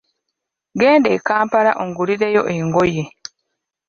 Genda e Kampala ongulireyo engoye.